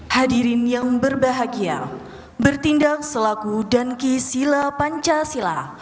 hadirin yang berbahagia bertindak selaku danki sila pancasila